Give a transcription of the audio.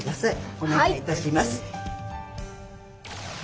おねがいいたします。